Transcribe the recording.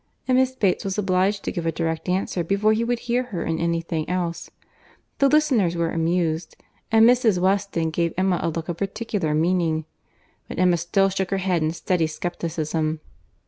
And Miss Bates was obliged to give a direct answer before he would hear her in any thing else. The listeners were amused; and Mrs. Weston gave Emma a look of particular meaning. But Emma still shook her head in steady scepticism.